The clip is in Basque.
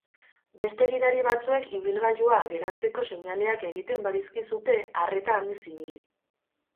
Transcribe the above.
Beste gidari batzuek ibilgailua geratzeko seinaleak egiten badizkizute, arreta handiz ibili.